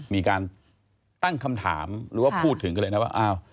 มีการตั้งคำถามหรือว่าพูดถึงกันเลยนะว่าอ้าว